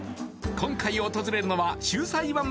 今回訪れるのは小西湾